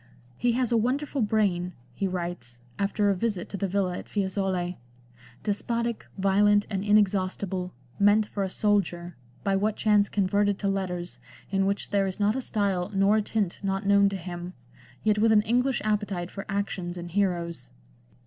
" He has a wonderful brain," he writes, after a visit to the villa at Fiesole, " despotic, violent, and inexhaustible, meant for a soldier, by what chance converted to letters, in which there is not a style nor a tint not known to him, yet with an English appetite for xxii LANDOR. actions and heroes."